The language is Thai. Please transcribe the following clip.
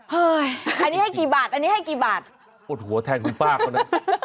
เฮ้ยอันนี้ให้กี่บาทอันนี้ให้กี่บาทอดหัวแทนคุณป้าเขานะ